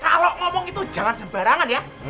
kalau ngomong itu jangan sembarangan ya